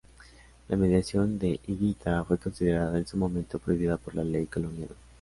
La mediación de Higuita fue considerada en su momento prohibida por la ley colombiana.